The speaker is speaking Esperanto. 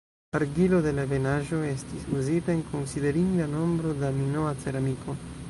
Argilo de la ebenaĵo estis uzita en konsiderinda nombro da minoa ceramiko.